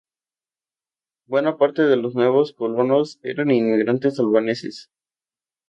Buena parte de los nuevos colonos eran inmigrantes albaneses.